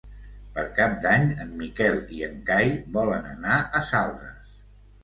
Per Cap d'Any en Miquel i en Cai volen anar a Saldes.